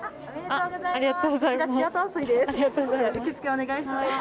ありがとうございます。